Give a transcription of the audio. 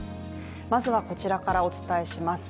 まずはこちらからお伝えします